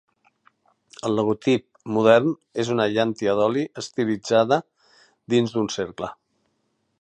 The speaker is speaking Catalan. El logotip modern és una llàntia d'oli estilitzada dins un cercle.